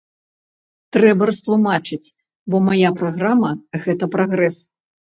Трэба растлумачыць, бо мая праграма гэта прагрэс.